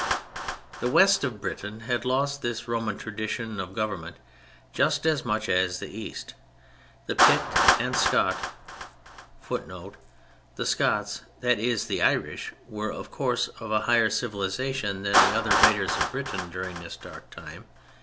The West of Britain had lost this Roman tradition of government just as much as the East. The "Pict and Scot" [Footnote: The "Scots"—that is, the Irish—were, of course, of a higher civilization than the other raiders of Britain during this dark time.